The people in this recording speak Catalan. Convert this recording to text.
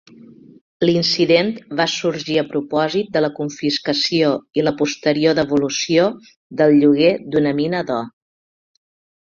L'incident va sorgir a propòsit de la confiscació i la posterior devolució del lloguer d'una mina d'or.